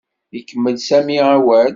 Ikemmel Sami awal.